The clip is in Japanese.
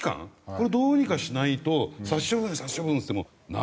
これどうにかしないと殺処分殺処分っつってもなかなか。